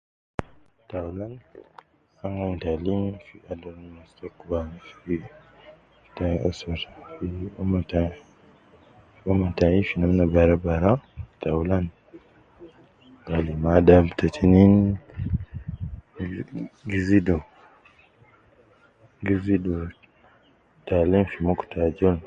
Taulan an gi ayin taalim fi alim anas te usra fi umma tai, usra tai fi namna bara bara, taulan gei me adab te tinin gi zidu, gi zidu taalim fi muku te ajol